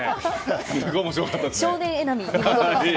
すごい面白かった。